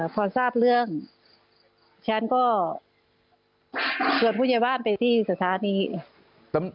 พอทราบเรื่องฉันก็ชวนผู้ใหญ่บ้านไปที่สถานี